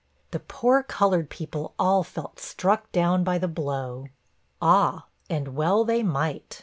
The poor colored people all felt struck down by the blow.' Ah! and well they might.